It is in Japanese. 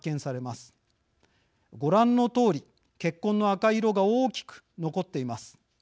ご覧のとおり血痕の赤い色が大きく残っています。